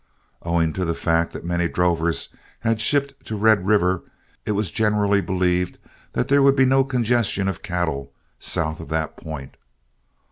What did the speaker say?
Owing to the fact that many drovers had shipped to Red River, it was generally believed that there would be no congestion of cattle south of that point.